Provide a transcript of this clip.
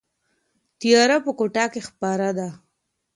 تیاره په کوټه کې خپره ده.